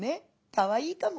かわいいかも。